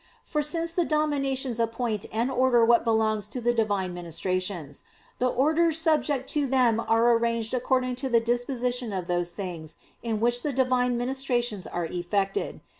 For since the "Dominations" appoint and order what belongs to the Divine ministrations, the orders subject to them are arranged according to the disposition of those things in which the Divine ministrations are effected.